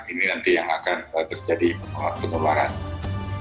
ini nanti yang akan terjadi penularan